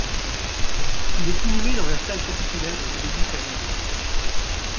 Il est inhumé dans le salle capitulaire de l'abbaye familiale.